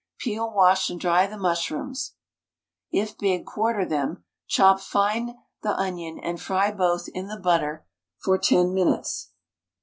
Peel, wash, and dry the mushrooms if big, quarter them chop fine the onion, and fry both in the butter for 10 minutes.